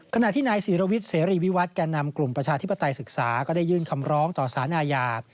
ขณะที่นายศิรวิทย์เสรีวิวัตแก่นำกลุ่มประชาธิปไตยศึกษาก็ได้ยื่นคำร้องต่อสารอาญา